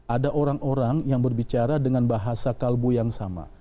ada orang orang yang berbicara dengan bahasa kalbu yang sama